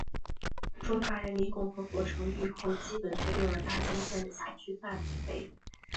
中华人民共和国成立后基本确定了大兴县的辖区范围。